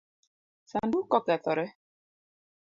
Sanduk okethore?